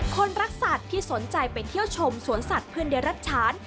คนรักสัตว์ที่สนใจไปเที่ยวชมสวนสัตว์เพื่อนได้รับฉาน